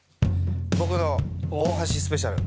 僕の大橋スペシャル